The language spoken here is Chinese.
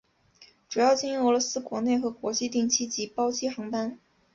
主要经营俄罗斯国内和国际定期及包机航班。